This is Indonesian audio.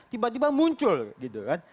tiba tiba muncul gitu kan